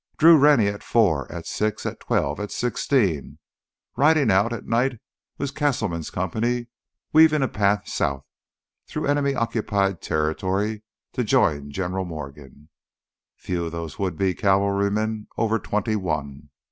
Drew Rennie at four, at six, at twelve, at sixteen—riding out at night with Castleman's Company, weaving a path south through enemy occupied territory to join General Morgan—few of those would be cavalrymen over twenty one.